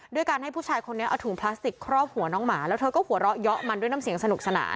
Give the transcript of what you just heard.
ด้วยการให้ผู้ชายคนนี้เอาถุงพลาสติกครอบหัวน้องหมาแล้วเธอก็หัวเราะเยาะมันด้วยน้ำเสียงสนุกสนาน